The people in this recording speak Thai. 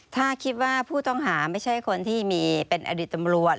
ถ้าคิดว่าผู้ต้องหาไม่ใช่คนที่มีเป็นอดีตตำรวจ